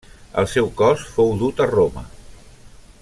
El seu cos fou dut a Roma.